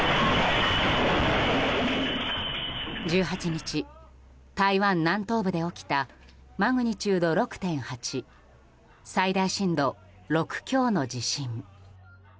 １８日、台湾南東部で起きたマグニチュード６．８最大震度６強の地震。